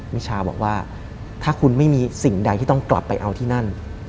มิชาบอกว่าถ้าคุณไม่มีสิ่งใดที่ต้องกลับไปเอาที่นั่น